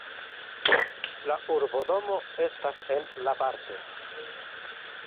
La urbodomo estas en La Parte.